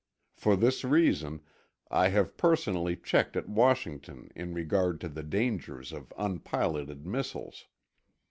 For this reason, I have personally checked at Washington in regard to the dangers of unpiloted missiles.